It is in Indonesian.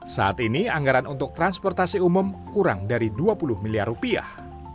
saat ini anggaran untuk transportasi umum kurang dari dua puluh miliar rupiah